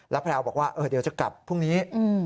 แพลวบอกว่าเดี๋ยวจะกลับพรุ่งนี้